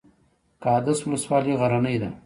قادس ولسوالۍ غرنۍ ده؟